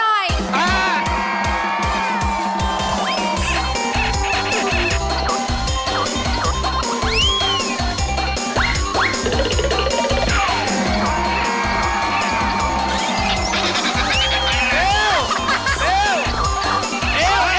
เอวเอว